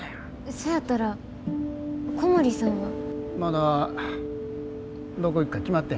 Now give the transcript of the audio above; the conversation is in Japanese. そやったら小森さんは。まだどこ行くか決まってへん。